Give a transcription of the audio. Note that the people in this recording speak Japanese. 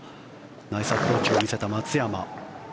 ナイスアプローチを見せた松山。